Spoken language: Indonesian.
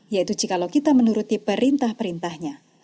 yaitu jikalau kita menuruti perintah perintahnya